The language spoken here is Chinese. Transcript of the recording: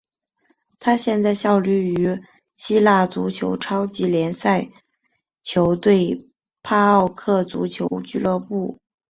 他现在效力于希腊足球超级联赛球队帕奥克足球俱乐部。